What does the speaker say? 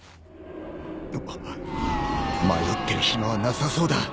迷ってる暇はなさそうだ。